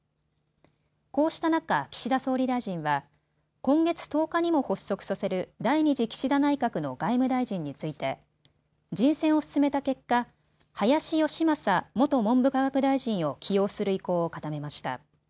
こうした中、岸田総理大臣は今月１０日にも発足させる第２次岸田内閣の外務大臣について人選を進めた結果、林芳正元文部科学大臣を起用する意向を固めました。